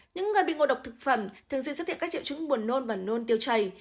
những người bị ngộ độc thực phẩm thường xuyên giới thiệu các triệu chứng buồn nôn và nôn tiêu chày